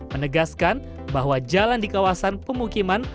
menegaskan bahwa jalan di kawasan pemukiman